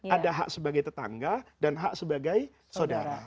ada hak sebagai tetangga dan hak sebagai saudara